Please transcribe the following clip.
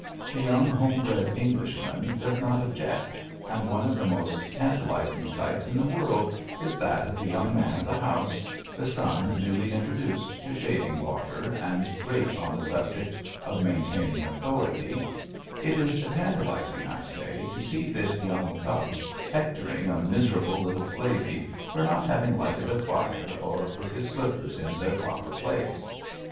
The young homebred Englishman does not object, and one of the most tantalising sights in the world is that of the young man of the house — ^the son newly introduced to shaving water and great on the subject of main taining authority — ^it is tantalising, I say, to see this young cub hectoring a miserable little slavey for not having lighted a fire or put his slippers in their proper place.